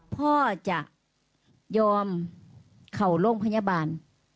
พ่อจะยอมเขาโรงพยาบาล